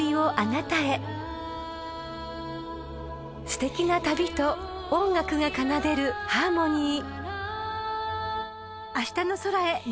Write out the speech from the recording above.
［すてきな旅と音楽が奏でるハーモニー］